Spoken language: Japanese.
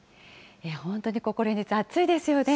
本当にここ連日、暑いですよね。